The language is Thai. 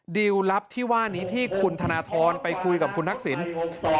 ดิวลลับที่ว่านี้ที่คุณธนทรไปคุยกับคุณทักษิณ